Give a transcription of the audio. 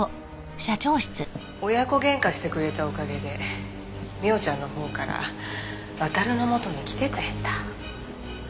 親子喧嘩してくれたおかげで美央ちゃんのほうから亘の元に来てくれた。